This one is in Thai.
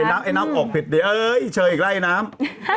ไอ้น้ำไอ้น้ำออกผิดดิเอ๊ยเฉยอีกแล้วไอ้น้ำ